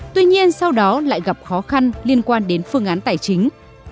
tuy nhiên sau đó lại gặp khó khăn liên quan đến phương án tài chính